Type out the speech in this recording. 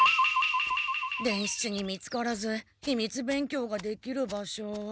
伝七に見つからず秘密勉強ができる場所。